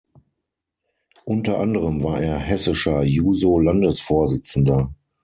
Unter anderem war er hessischer Juso-Landesvorsitzender.